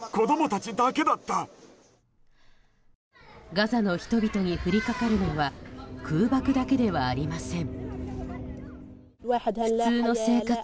ガザの人々に降りかかるのは空爆だけではありません。